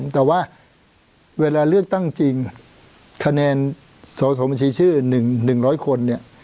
แต่ว่าเวลาเลือกตั้งจริงคะแนนสอสอบัญชีชื่อ๑๐๐คนเนี่ย